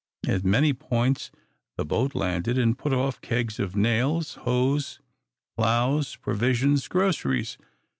At many points the boat landed, and put off kegs of nails, hoes, ploughs, provisions, groceries.